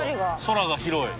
空が広い。